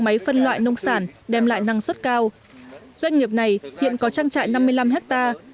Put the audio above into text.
nhà máy phân loại nông sản đem lại năng suất cao doanh nghiệp này hiện có trang trại năm mươi năm hectare